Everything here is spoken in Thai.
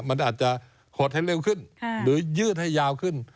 มันอาจจะหดให้เร็วขึ้นหรือยืดให้ยาวขึ้น